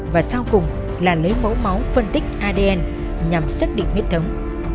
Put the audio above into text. và sau cùng là lấy mẫu máu phân tích adn nhằm xác định huyết thống